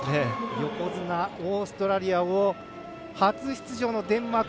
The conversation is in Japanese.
横綱、オーストラリアを初出場のデンマーク。